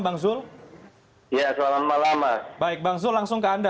baik bang zulkifli langsung ke anda